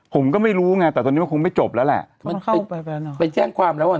ผมก็ไม่รู้ไงแต่ตอนนี้มันคงไม่จบแล้วแหละมันไปไปแจ้งความแล้วอ่ะ